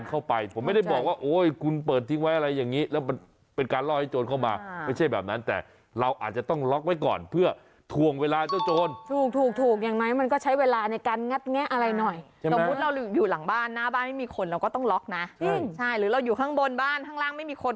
เราก็ต้องล็อคนะใช่หรือเราอยู่ข้างบนบ้านข้างล่างไม่มีคน